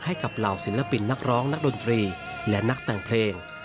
ให้กับเหล่าศิลปินนักร้องนักดนตรีและนักแต่งเพลง